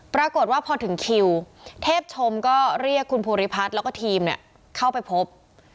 ปรากฏว่าพอถึงคิวเทพชมก็เรียกคุณภูริพัฒน์แล้วก็ทีมเข้าไปพบ